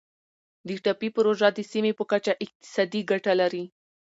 د ټاپي پروژه د سیمې په کچه اقتصادي ګټه لري.